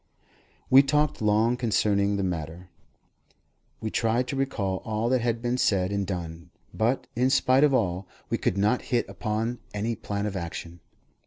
We talked long concerning the matter; we tried to recall all that had been said and done; but, in spite of all, we could not hit upon any plan of action.